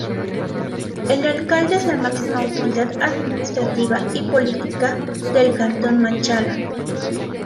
El Alcalde es la máxima autoridad administrativa y política del Cantón Machala.